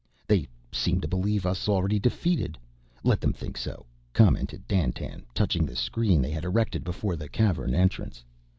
"They seem to believe us already defeated. Let them think so," commented Dandtan, touching the screen they had erected before the Cavern entrance.